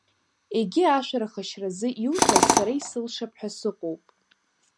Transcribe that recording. Егьи ашәарах ашьразы иуҳәаз, сара исылшап ҳәа сыҟоуп.